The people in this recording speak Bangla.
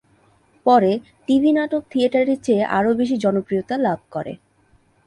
পরে, টিভি নাটক থিয়েটারের চেয়ে আরও বেশি জনপ্রিয়তা লাভ করে।